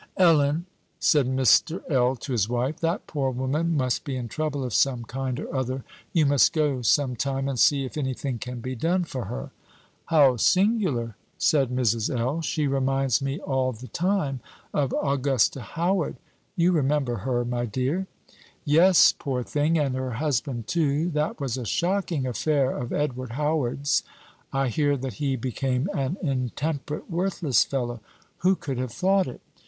"Ellen," said Mr. L. to his wife; "that poor woman must be in trouble of some kind or other. You must go some time, and see if any thing can be done for her." "How singular!" said Mrs. L.; "she reminds me all the time of Augusta Howard. You remember her, my dear?" "Yes, poor thing! and her husband too. That was a shocking affair of Edward Howard's. I hear that he became an intemperate, worthless fellow. Who could have thought it!"